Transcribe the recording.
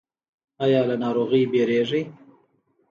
ایا له ناروغۍ ویریږئ؟